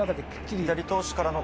左投手からの。